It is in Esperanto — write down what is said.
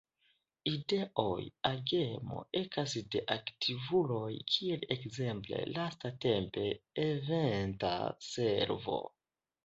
Ideoj, agemo ekas de aktivuloj kiel ekzemple lastatempe Eventa Servo.